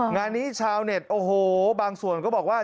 งานนี้ชาวเน็ตโอ้โหบางส่วนก็บอกว่า